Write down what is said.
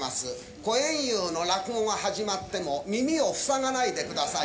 小圓遊の落語が始まっても耳をふさがないでください。